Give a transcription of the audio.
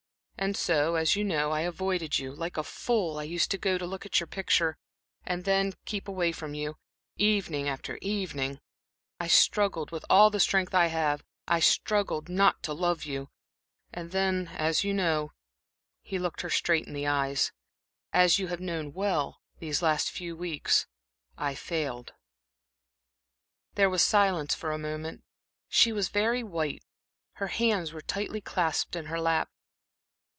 And so, as you know, I avoided you; like a fool, I used to go and look at your picture, and then keep away from you, evening after evening. I struggled with all the strength I have I struggled not to love you. And then, as you know" he looked her straight in the eyes "as you have known well these last few weeks, I failed." There was silence for a moment. She was very white, her hands were tightly clasped in her lap.